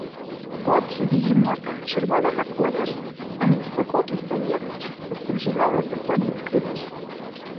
Пот у бегемота чырвонага колеру, таму ў спякоту здаецца, быццам жывёла зыходзіць крывёю.